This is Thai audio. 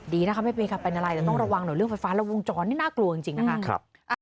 ดีนะคะไม่มีใครเป็นอะไรแต่ต้องระวังหน่อยเรื่องไฟฟ้าและวงจรนี่น่ากลัวจริงนะคะ